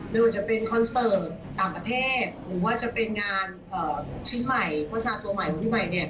ไม่ว่าจะเป็นคอนเสิร์ตต่างประเทศหรือว่าจะเป็นงานชิ้นใหม่โฆษาตัวใหม่ของพี่ใหม่เนี่ย